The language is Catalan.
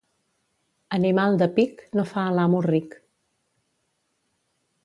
Animal de «pic» no fa a l'amo ric.